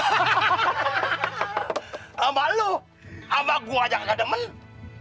sama lu sama gua aja kadang kadang